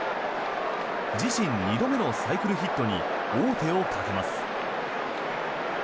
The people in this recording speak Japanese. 自身２度目のサイクルヒットに王手をかけます。